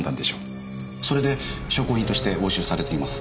それで証拠品として押収されています。